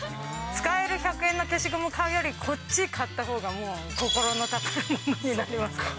使える１００円の消しゴム買うよりこっち買ったほうがもう、心の宝物になりますから。